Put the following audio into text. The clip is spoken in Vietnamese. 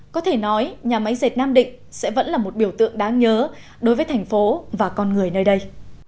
có thể nói nhà máy dệt nam định sẽ vẫn là một biểu tượng đáng nhớ đối với thành phố và con người nơi đây